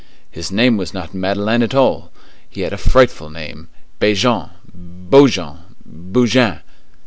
"His name was not Madeleine at all; he had a frightful name, Béjean, Bojean, Boujean."